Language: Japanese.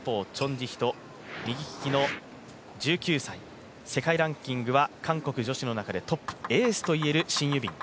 ・ジヒと右利きの１９歳、世界ランキングは韓国女子の中でトップエースといえるシン・ユビン。